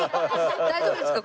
大丈夫ですか？